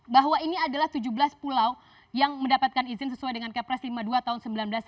bahwa ini adalah tujuh belas pulau yang mendapatkan izin sesuai dengan kepres lima puluh dua tahun seribu sembilan ratus sembilan puluh